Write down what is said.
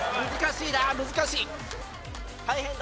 難しいな難しい。